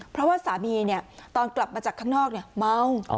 เพราะว่าสามีเนี่ยตอนกลับมาจากข้างนอกเนี่ยเมา